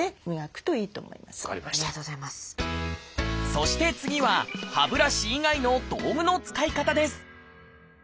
そして次は歯ブラシ以外の道具の使い方です